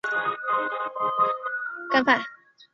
梅纳德迄今已发行过两张专辑。